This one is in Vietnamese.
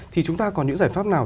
thì chúng ta có những giải pháp nào